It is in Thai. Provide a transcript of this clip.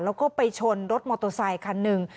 แล้วก็ไปชนรถมอเตอร์ไซคันหนึ่ง